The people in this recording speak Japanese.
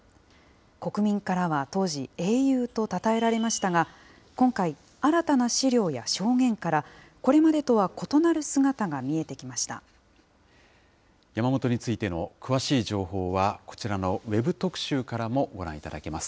国民からは当時、英雄とたたえられましたが、今回、新たな史料や証言から、これまでとは異なる姿山本についての詳しい情報は、こちらのＷＥＢ特集からもご覧いただけます。